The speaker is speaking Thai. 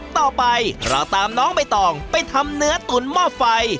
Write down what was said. ต่อไปเราตามน้องใบตองไปทำเนื้อตุ๋นหม้อไฟ